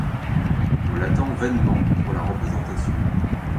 On l'attend vainement pour la représentation.